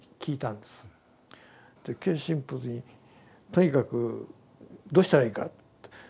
Ｋ神父にとにかくどうしたらいいかって。